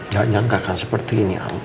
gak nyangka kan seperti ini al